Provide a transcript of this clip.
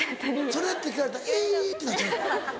「それで？」って聞かれたら「えぇ！」ってなっちゃうの？